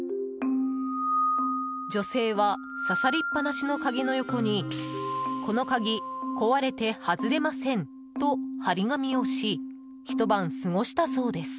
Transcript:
女性は挿さりっぱなしの鍵の横に「この鍵こわれてはずれません」と貼り紙をしひと晩過ごしたそうです。